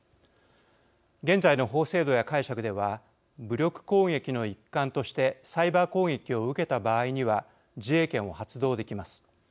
現在の法制度や解釈では武力攻撃の一環としてサイバー攻撃を受けた場合には自衛権を発動できます。